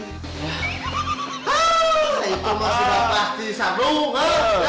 itu masih datang di sadung ya